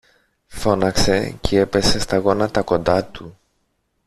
φώναξε, κι έπεσε στα γόνατα κοντά του.